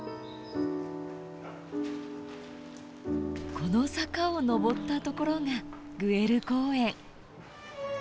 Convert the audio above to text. この坂を上った所がグエル公園。